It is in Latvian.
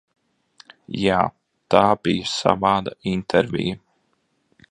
Jā, tā bija savāda intervija.